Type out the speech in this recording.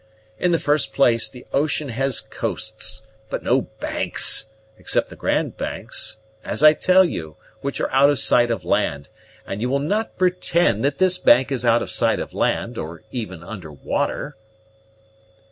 In the first place, the ocean has coasts, but no banks, except the Grand Banks, as I tell you, which are out of sight of land; and you will not pretend that this bank is out of sight of land, or even under water?"